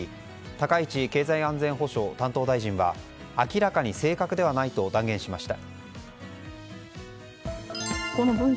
高市経済安全保障担当大臣は明らかに正確ではないと断言しました。